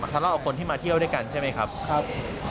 ทะเลาะกับคนที่มาเที่ยวด้วยกันใช่ไหมครับ